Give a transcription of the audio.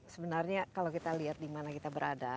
sebenarnya kalau kita lihat di mana kita berada